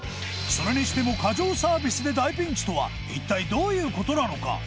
それにしても過剰サービスで大ピンチとは一体どういう事なのか？